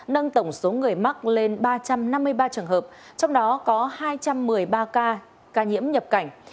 nâng tổng số người mắc lên ba trăm năm mươi ba trường hợp trong đó có hai trăm một mươi ba ca nhiễm nhập cảnh